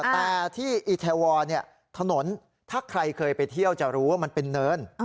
แต่ที่อีเทวอลถนนถ้าใครเคยไปเที่ยวจะรู้ว่ามันเป็นเนิน